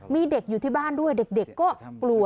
มีเด็กอยู่ที่บ้านด้วยเด็กก็กลัว